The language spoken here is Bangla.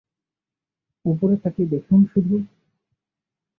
উপরে তাকিয়ে দেখুন শুধু!